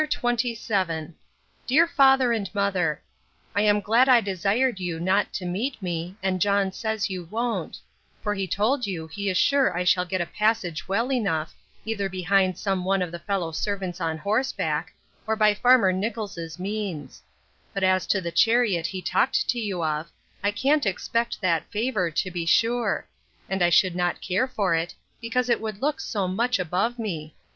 LETTER XXVII DEAR FATHER AND MOTHER, I am glad I desired you not to meet me, and John says you won't; for he told you he is sure I shall get a passage well enough, either behind some one of my fellow servants on horseback, or by farmer Nichols's means: but as to the chariot he talked to you of, I can't expect that favour, to be sure; and I should not care for it, because it would look so much above me.